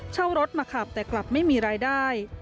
เช่ารถมาขับแต่กลับไม่มีรายได้